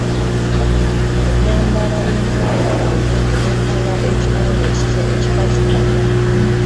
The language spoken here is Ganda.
Ennyambala y'omuwala oyo eweebuula ekitonde ekikazi kyonna.